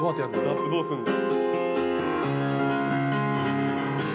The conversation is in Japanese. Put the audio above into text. ラップどうするの？